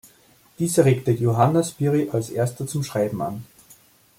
Dieser regte Johanna Spyri als erster zum Schreiben an.